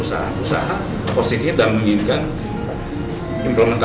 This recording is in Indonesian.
usaha positif dan menginginkan implementasi